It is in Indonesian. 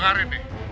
udah ngarin nih